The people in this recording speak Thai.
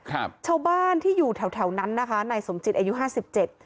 ครับชาวบ้านที่อยู่แถวแถวนั้นนะคะนายสมจิตอายุห้าสิบเจ็ด